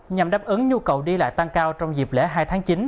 nhằm đáp ứng nhu cầu đi lại tăng cao trong dịp lễ hai tháng chín